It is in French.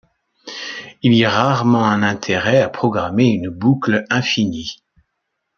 Il y a rarement un intérêt à programmer une boucle infinie.